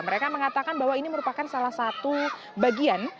mereka mengatakan bahwa ini merupakan salah satu bagian